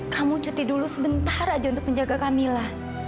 kamu cuti dulu sebentar aja untuk menjaga kamila